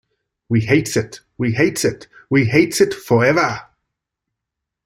We hates it, we hates it, we hates it forever!